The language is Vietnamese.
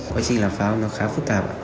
quá trình làm pháo nó khá phức tạp